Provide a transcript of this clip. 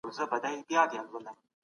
ډسپلین بریالیتوب ته بنسټ دی.